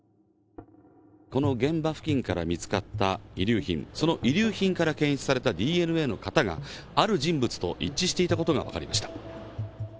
この現場付近から見つかった遺留品、その遺留品から検出されたＤＮＡの型が、ある人物と一致していたことが分かりました。